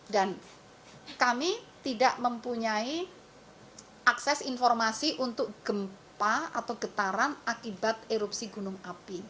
dan kami tidak mempunyai akses informasi untuk gempa atau getaran akibat erupsi gunung api